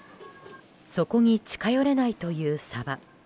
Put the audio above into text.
そこに近寄れないというサバ。